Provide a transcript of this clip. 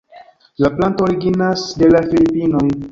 La planto originas de la Filipinoj.